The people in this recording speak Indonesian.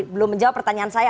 belum menjawab pertanyaan saya